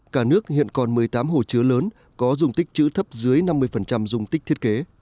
cả nước hiện còn một mươi tám hồ chứa lớn có dùng tích chữ thấp dưới năm mươi dung tích thiết kế